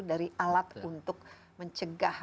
dari alat untuk mencegah